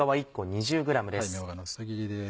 みょうがの薄切りです。